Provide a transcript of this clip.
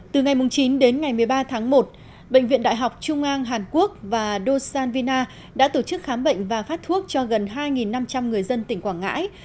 từ ngày chín đến ngày một mươi ba tháng một bệnh viện đại học trung an hàn quốc và do san vina đã tổ chức khám bệnh và phát thuốc cho gần hai năm trăm linh người dân tỉnh quảng ngãi